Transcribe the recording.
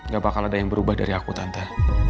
gak bakal ada yang berubah dari aku tante